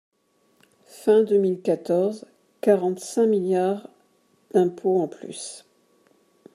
Fin deux mille quatorze, quarante-cinq milliards d’impôts en plus